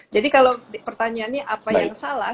jadi kalau pertanyaannya apa yang salah